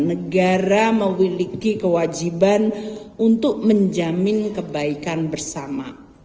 negara memiliki kewajiban untuk menjamin kebaikan bersama